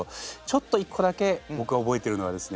ちょっと一個だけ僕が覚えてるのはですね